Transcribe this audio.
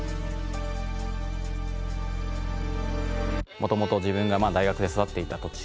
元々自分が大学で育っていた土地